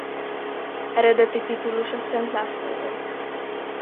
Eredeti titulusa Szent László volt.